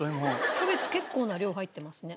キャベツ結構な量入ってますね。